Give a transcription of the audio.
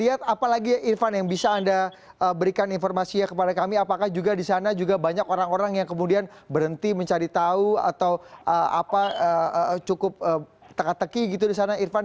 apalagi irfan yang bisa anda berikan informasinya kepada kami apakah juga di sana juga banyak orang orang yang kemudian berhenti mencari tahu atau cukup teka teki gitu di sana irfan